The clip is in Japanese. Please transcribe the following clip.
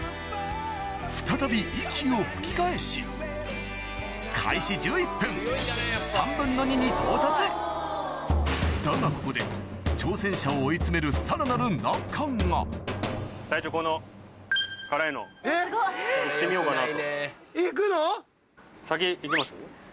再び息を吹き返しに到達だがここで挑戦者を追い詰めるさらなるこの辛いの行ってみようかなと。